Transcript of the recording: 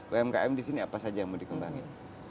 umkm di sini apa saja yang mau dikembangin